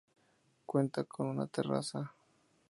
Cuenta con una terraza.